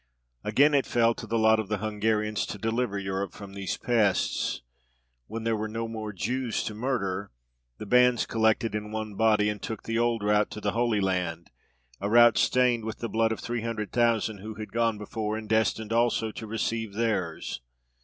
Again it fell to the lot of the Hungarians to deliver Europe from these pests. When there were no more Jews to murder, the bands collected in one body, and took the old route to the Holy Land, a route stained with the blood of three hundred thousand who had gone before, and destined also to receive theirs.